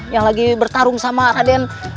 yang lagi bertarung sama raden